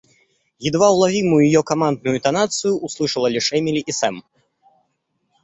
Едва уловимую её командную интонацию услышала лишь Эмили и Сэм.